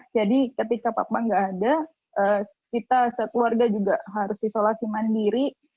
jadi ketika papa nggak ada kita sekeluarga juga harus isolasi mandiri